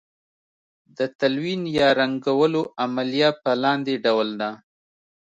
د تلوین یا رنګولو عملیه په لاندې ډول ده.